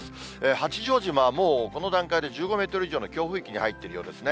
八丈島はもう、この段階で１５メートル以上の強風域に入っているようですね。